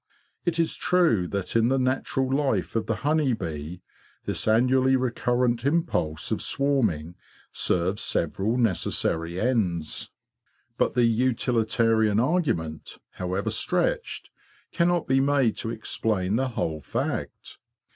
It is true that in the THE STORY OF THE SWARM 137 natural life of the honey bee this annually recurrent impulse of swarming serves several necessary ends; but the utilitarian argument, however stretched, cannot be made to explain the whole fact.